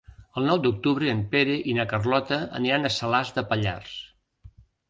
El nou d'octubre en Pere i na Carlota aniran a Salàs de Pallars.